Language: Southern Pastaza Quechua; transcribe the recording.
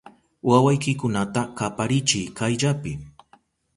¡Wawaykikunata kiparichiy kayllapi!